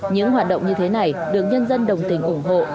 những hoạt động như thế này được nhân dân đồng tình ủng hộ